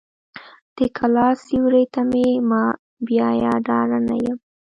د کلا سیوري ته مې مه بیایه ډارنه یم.